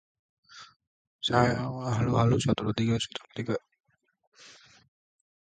I gave up on finding where I was supposed to go.